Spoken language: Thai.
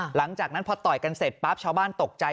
หลังจากนั้นพอต่อยกันเสร็จปั๊บชาวบ้านตกใจ